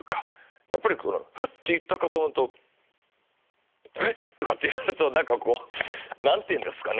やっぱりそのフッて言ったかと思うと「えっ！」とかってやると何かこう何て言うんですかね。